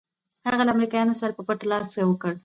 هغه له امریکایانو سره په پټه لاس یو کړ.